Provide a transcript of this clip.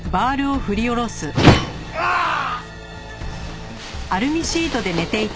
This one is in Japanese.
うああっ！